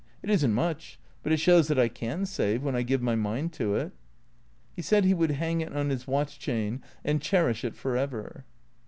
It is n't much, but it shows that I can save when I give my mind to it." He said he would hang it on his watch chain and cherish it for ever.